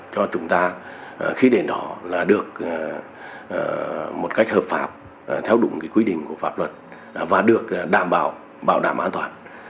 cho chúng ta khi đến đó là được một cách hợp pháp theo đúng quy định của pháp luật và được đảm bảo bảo đảm an toàn